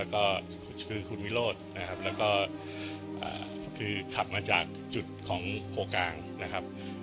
คือคุณวิโรธคือขับมาจากจุดของโคกาง